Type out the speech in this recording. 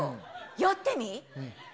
やってみ。